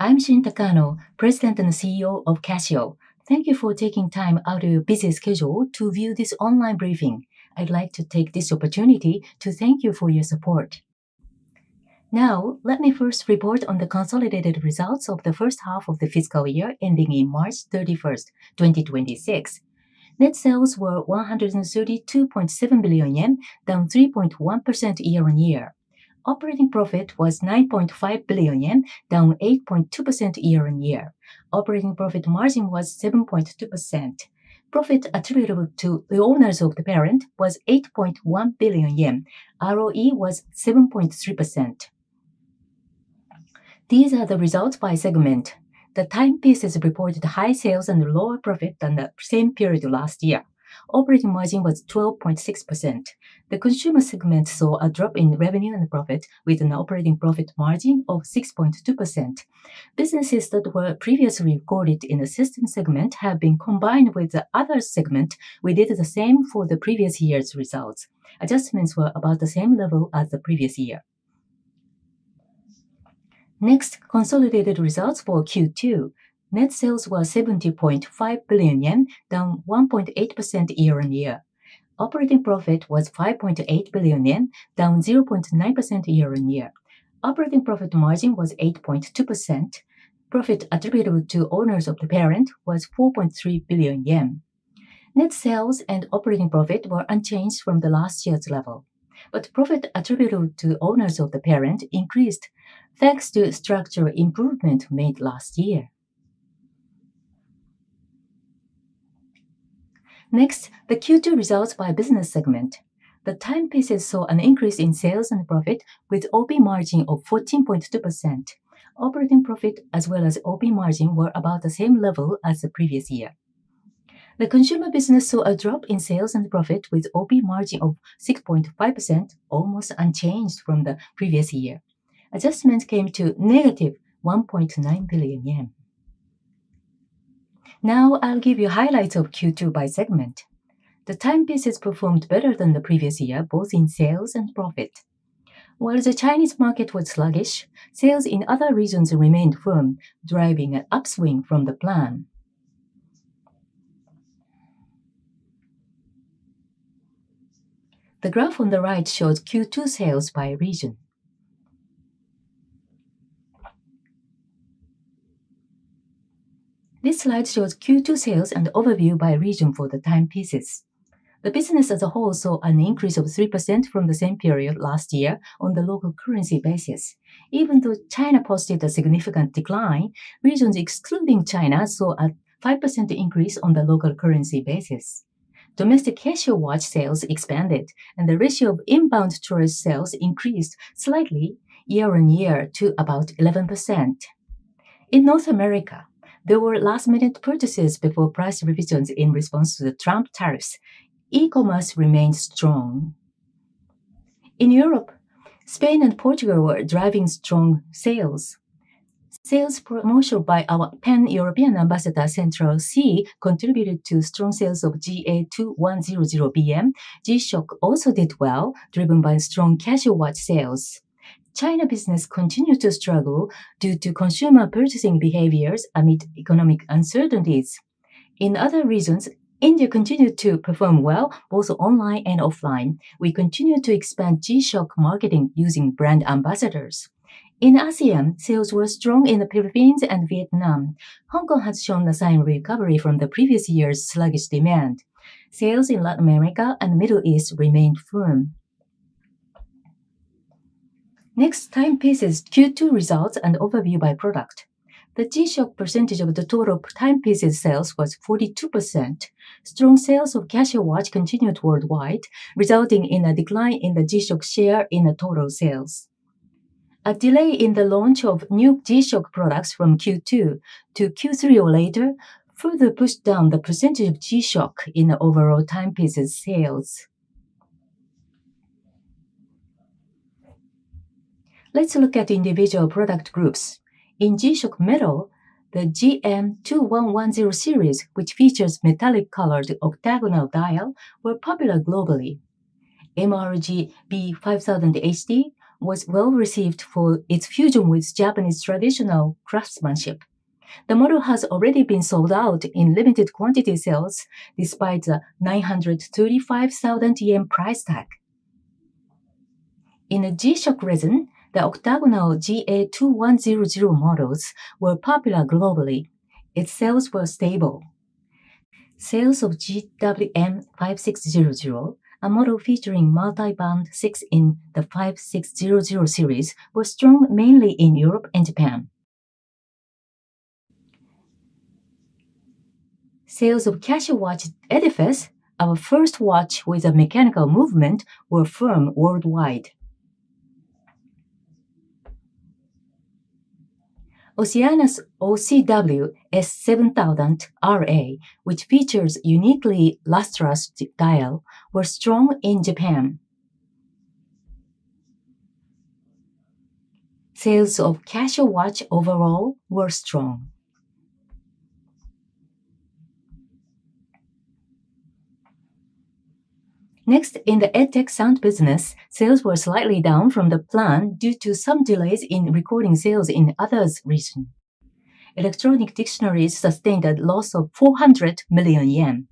I'm Shin Takano, President and CEO of Casio. Thank you for taking time out of your busy schedule to view this online briefing. I'd like to take this opportunity to thank you for your support. Now, let me first report on the consolidated results of the first half of the fiscal year ending in March 31st, 2026. Net sales were 132.7 billion yen, down 3.1% year-on-year. Operating profit was 9.5 billion yen, down 8.2% year-on-year. Operating profit margin was 7.2%. Profit attributable to the owners of the parent was 8.1 billion yen. ROE was 7.3%. These are the results by segment. The timepieces reported high sales and lower profit than the same period last year. Operating margin was 12.6%. The consumer segment saw a drop in revenue and profit, with an operating profit margin of 6.2%. Businesses that were previously recorded in the system segment have been combined with the other segment. We did the same for the previous year's results. Adjustments were about the same level as the previous year. Next, consolidated results for Q2. Net sales were 70.5 billion yen, down 1.8% year-on-year. Operating profit was 5.8 billion yen, down 0.9% year-on-year. Operating profit margin was 8.2%. Profit attributable to owners of the parent was 4.3 billion yen. Net sales and operating profit were unchanged from the last year's level, but profit attributable to owners of the parent increased thanks to structural improvement made last year. Next, the Q2 results by business segment. The timepieces saw an increase in sales and profit, with OP margin of 14.2%. Operating profit as well as OP margin were about the same level as the previous year. The consumer business saw a drop in sales and profit, with OP margin of 6.5%, almost unchanged from the previous year. Adjustments came to negative 1.9 billion yen. Now, I'll give you highlights of Q2 by segment. The timepieces performed better than the previous year, both in sales and profit. While the Chinese market was sluggish, sales in other regions remained firm, driving an upswing from the plan. The graph on the right shows Q2 sales by region. This slide shows Q2 sales and overview by region for the timepieces. The business as a whole saw an increase of 3% from the same period last year on the local currency basis. Even though China posted a significant decline, regions excluding China saw a 5% increase on the local currency basis. Domestic Casio watch sales expanded, and the ratio of inbound tourist sales increased slightly year-on-year to about 11%. In North America, there were last-minute purchases before price revisions in response to the Trump tariffs. E-commerce remained strong. In Europe, Spain and Portugal were driving strong sales. Sales promotion by our Pan-European Ambassador Central C contributed to strong sales of GA2100BM. G-SHOCK also did well, driven by strong Casio watch sales. China business continued to struggle due to consumer purchasing behaviors amid economic uncertainties. In other regions, India continued to perform well, both online and offline. We continue to expand G-SHOCK marketing using brand ambassadors. In ASEAN, sales were strong in the Philippines and Vietnam. Hong Kong has shown a sign of recovery from the previous year's sluggish demand. Sales in Latin America and the Middle East remained firm. Next, timepieces, Q2 results, and overview by product. The G-SHOCK percentage of the total timepieces sales was 42%. Strong sales of Casio watch continued worldwide, resulting in a decline in the G-SHOCK share in total sales. A delay in the launch of new G-SHOCK products from Q2 to Q3 or later further pushed down the percentage of G-SHOCK in the overall timepieces sales. Let's look at individual product groups. In G-SHOCK metal, the GM2110 series, which features metallic-colored octagonal dial, were popular globally. MRGB5000HD was well received for its fusion with Japanese traditional craftsmanship. The model has already been sold out in limited quantity sales despite the 935,000 yen price tag. In the G-SHOCK resin, the octagonal GA2100 models were popular globally. Its sales were stable. Sales of GWM5600, a model featuring multi-band six in the 5600 series, were strong mainly in Europe and Japan. Sales of Casio watch Edifice, our first watch with a mechanical movement, were firm worldwide. Oceanus OCWS7000RA, which features uniquely lustrous dial, were strong in Japan. Sales of Casio watch overall were strong. Next, in the EdTech sound business, sales were slightly down from the plan due to some delays in recording sales in other regions. Electronic dictionaries sustained a loss of 400 million yen.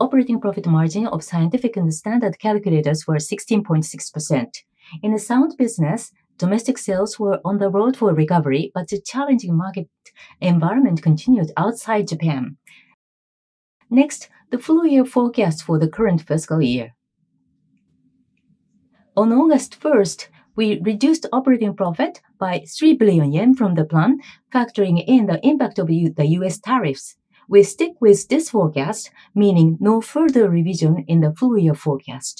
Operating profit margin of scientific and standard calculators was 16.6%. In the sound business, domestic sales were on the road for recovery, but the challenging market environment continued outside Japan. Next, the full-year forecast for the current fiscal year. On August 1st, we reduced operating profit by 3 billion yen from the plan, factoring in the impact of the US tariffs. We stick with this forecast, meaning no further revision in the full-year forecast.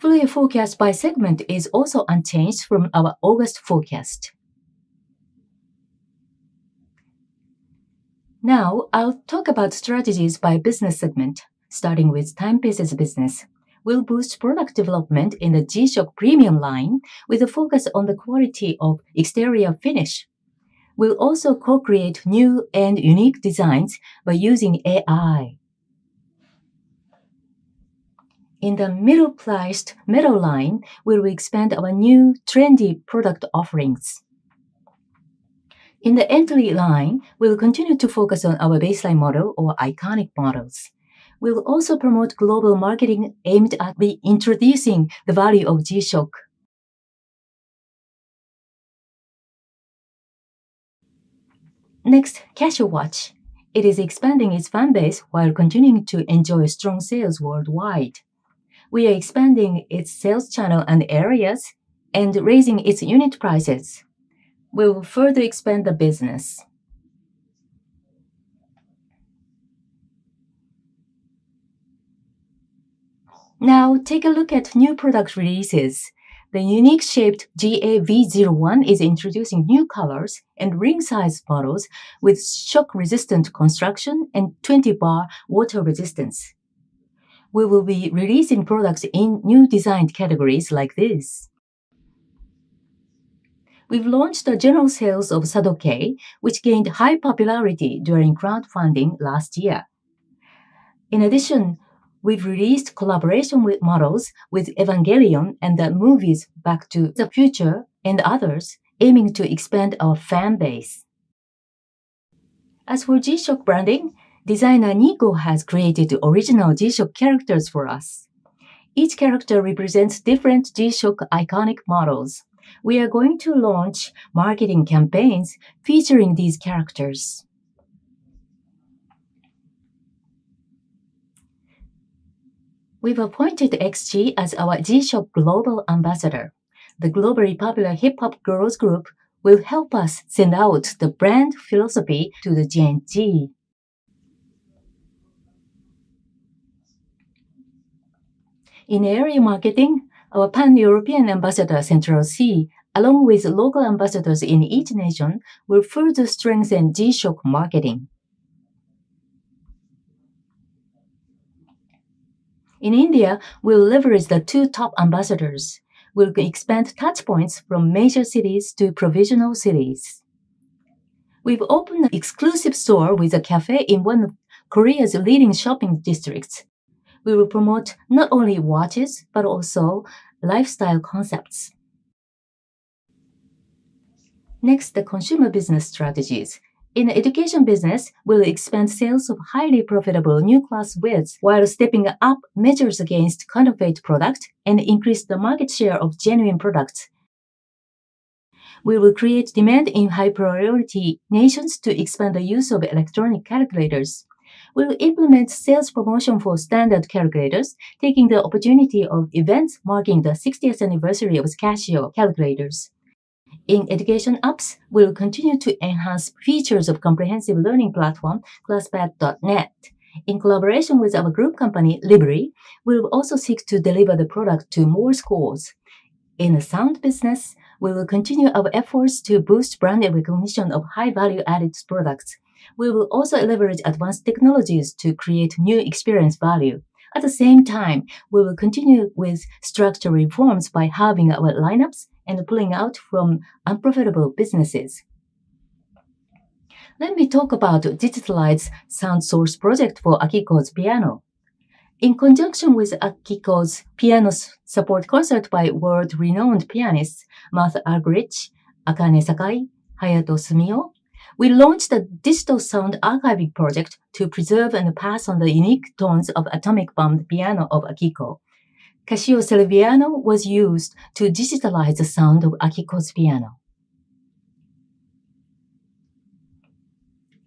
Full-year forecast by segment is also unchanged from our August forecast. Now, I'll talk about strategies by business segment, starting with timepieces business. We'll boost product development in the G-SHOCK premium line with a focus on the quality of exterior finish. We'll also co-create new and unique designs by using AI. In the middle-priced metal line, we'll expand our new trendy product offerings. In the entry line, we'll continue to focus on our baseline model or iconic models. We'll also promote global marketing aimed at reintroducing the value of G-SHOCK. Next, Casio watch. It is expanding its fan base while continuing to enjoy strong sales worldwide. We are expanding its sales channel and areas and raising its unit prices. We'll further expand the business. Now, take a look at new product releases. The unique-shaped GAV01 is introducing new colors and ring-sized models with shock-resistant construction and 20-bar water resistance. We will be releasing products in new design categories like these. We've launched a general sales of SadoKei, which gained high popularity during crowdfunding last year. In addition, we've released collaboration models with Evangelion and the movies Back to the Future and others, aiming to expand our fan base. As for G-SHOCK branding, designer Niko has created original G-SHOCK characters for us. Each character represents different G-SHOCK iconic models. We are going to launch marketing campaigns featuring these characters. We've appointed GX as our G-SHOCK global ambassador. The globally popular hip-hop girls' group will help us send out the brand philosophy to the Gen Z. In area marketing, our Pan-European Ambassador Central C, along with local ambassadors in each nation, will further strengthen G-SHOCK marketing. In India, we'll leverage the two top ambassadors. We'll expand touchpoints from major cities to provisional cities. We've opened an exclusive store with a café in one of Korea's leading shopping districts. We will promote not only watches but also lifestyle concepts. Next, the consumer business strategies. In the education business, we'll expand sales of highly profitable new class widths while stepping up measures against counterfeit product and increase the market share of genuine products. We will create demand in high-priority nations to expand the use of electronic calculators. We'll implement sales promotion for standard calculators, taking the opportunity of events marking the 60th anniversary of Casio calculators. In education apps, we'll continue to enhance features of the comprehensive learning platform ClassPad.net. In collaboration with our group company, Libri, we'll also seek to deliver the product to more schools. In the sound business, we will continue our efforts to boost brand recognition of high-value added products. We will also leverage advanced technologies to create new experience value. At the same time, we will continue with structural reforms by halving our lineups and pulling out from unprofitable businesses. Let me talk about Digitalize Sound Source Project for Akiko's Piano. In conjunction with Akiko's Piano's support concert by world-renowned pianists Matsu Akiri, Akane Sakai, and Hayato Sumio, we launched a digital sound archiving project to preserve and pass on the unique tones of the atomic-bound piano of Akiko. Casio Celeviano was used to digitalize the sound of Akiko's piano.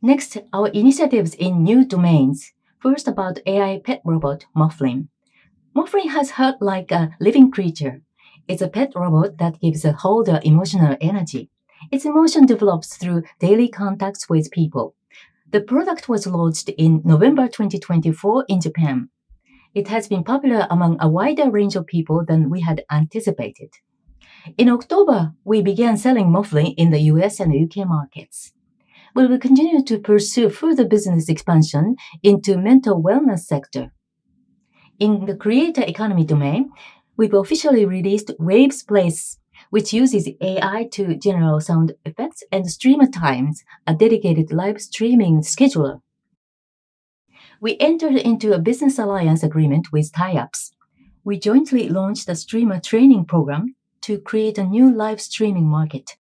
Next, our initiatives in new domains. First, about AI pet robot Mufflin. Mufflin has heart like a living creature. It's a pet robot that gives a holder emotional energy. Its emotion develops through daily contacts with people. The product was launched in November 2024 in Japan. It has been popular among a wider range of people than we had anticipated. In October, we began selling Mufflin in the U.S. and U.K. markets. We will continue to pursue further business expansion into the mental wellness sector. In the creator economy domain, we've officially released Waves Place, which uses AI to generate sound effects and Stream times, a dedicated live streaming scheduler. We entered into a business alliance agreement with TIAPS. We jointly launched a streamer training program to create a new live streaming market.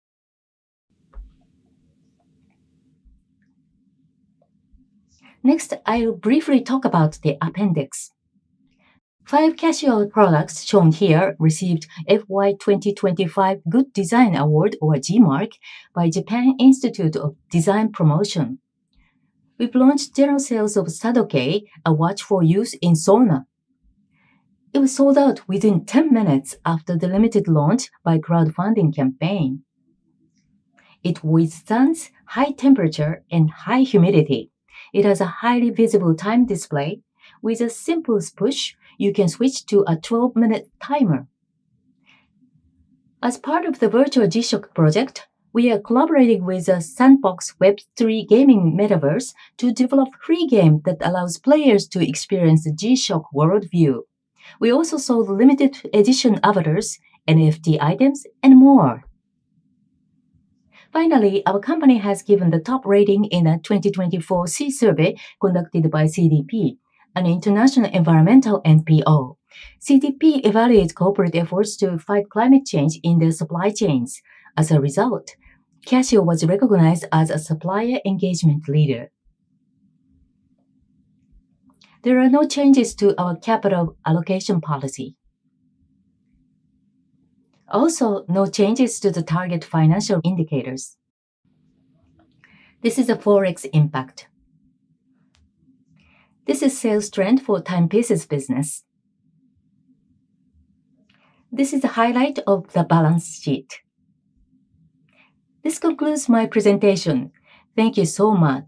Next, I'll briefly talk about the appendix. Five Casio products shown here received the FY 2025 Good Design Award, or G-Mark, by the Japan Institute of Design Promotion. We've launched general sales of SadoKei, a watch for use in sauna. It was sold out within 10 minutes after the limited launch by crowdfunding campaign. It withstands high temperature and high humidity. It has a highly visible time display. With a simple push, you can switch to a 12 minute timer. As part of the virtual G-SHOCK project, we are collaborating with The Sandbox Web3 gaming metaverse to develop a free game that allows players to experience the G-SHOCK worldview. We also sold limited-edition avatars, NFT items, and more. Finally, our company has given the top rating in a 2024 CDP survey conducted by CDP, an international environmental NPO. CDP evaluates corporate efforts to fight climate change in their supply chains. As a result, Casio was recognized as a supplier engagement leader. There are no changes to our capital allocation policy. Also, no changes to the target financial indicators. This is a forex impact. This is a sales trend for timepieces business. This is a highlight of the balance sheet. This concludes my presentation. Thank you so much.